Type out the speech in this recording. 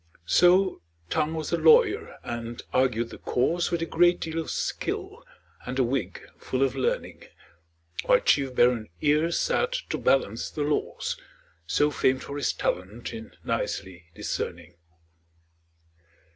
So Tongue was the lawyer, and argued the cause With a great deal of skill, and a wig full of learning; While chief baron Ear sat to balance the laws, So famed for his talent in nicely discerning.